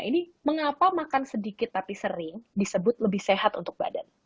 ini mengapa makan sedikit tapi sering disebut lebih sehat untuk badan